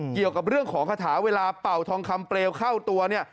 เกี่ยวกับเรื่องของคาถาเวลาเป่าทองคำเปลวเข้าตัวเนี่ย